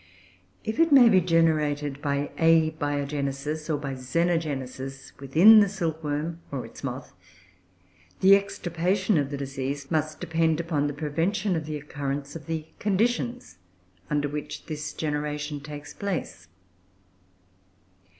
If it may be generated by Abiogenesis, or by Xenogenesis, within the silkworm or its moth, the extirpation of the disease must depend upon the prevention of the occurrence of the conditions under which this generation takes place.